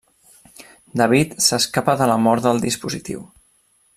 David s'escapa de la mort del dispositiu.